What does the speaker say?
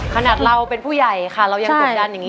ขนาดเราเป็นผู้ใหญ่ค่ะเรายังตกยันอย่างงี้เลยค่ะ